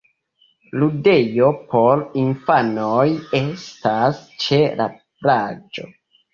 Ludejo por infanoj estas ĉe la plaĝo.